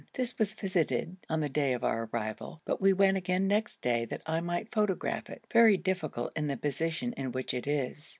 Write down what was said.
This was visited on the day of our arrival, but we went again next day that I might photograph it, very difficult in the position in which it is.